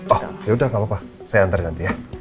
oh yaudah nggak apa apa saya antar nanti ya